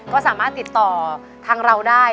ก็สามารถติดต่อทางเราได้